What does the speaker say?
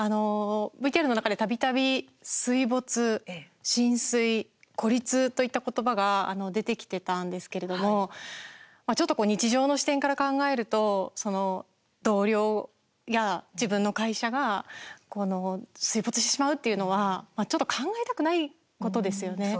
ＶＴＲの中でたびたび水没、浸水、孤立といった言葉が出てきてたんですけれどもちょっと日常の視点から考えると同僚や自分の会社が水没してしまうっていうのはちょっと考えたくないことですよね。